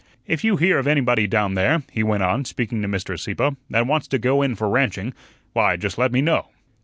"If you hear of anybody down there," he went on, speaking to Mr. Sieppe, "that wants to go in for ranching, why just let me know."